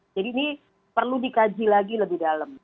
jadi ini perlu dikaji lagi lebih dalam